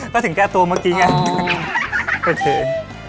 ก็ถึงแก้ตัวเมื่อกี้ไง